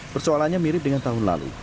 persoalannya mirip dengan tahun lalu